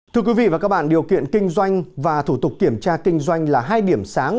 thưa quý vị và các bạn điều kiện kinh doanh và thủ tục kiểm tra kinh doanh là hai điểm sáng